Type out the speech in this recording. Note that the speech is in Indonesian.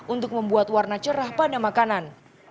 untuk membuat warna cerah pada makanan